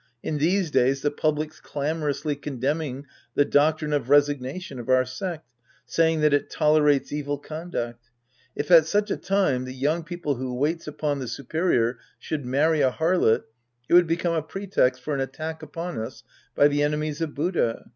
In these days the public's clamorously condemning the doctrine of resignation of our sect, saying that it tolerates evil conduct. If at such a time the young disciple who waits upon the superior should marry a harlot, it would become a pretext for an attack upon us by the enemies of Buddha.